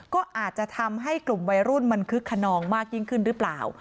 ก็อาจจะทำให้กลุ่มวัยรุ่นมันคึกขนองมากยิ่งขึ้นหรือเปล่า